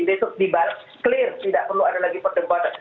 besok dibalik clear tidak perlu ada lagi perdebatan